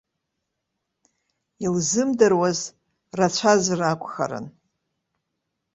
Илзымдыруаз рацәазар акәхарын.